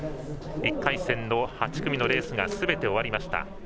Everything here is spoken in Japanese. １回戦の８組のレースがすべて終わりました。